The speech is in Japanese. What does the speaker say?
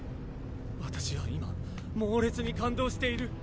私は今猛烈に感動している。